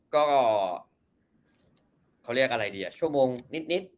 ก็เขาเรียกอะไรดีชั่วโมงนิด